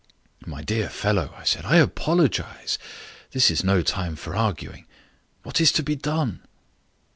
"My dear fellow," I said, "I apologize; this is no time for arguing. What is to be done?"